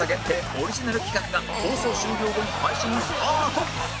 オリジナル企画が放送終了後に配信スタート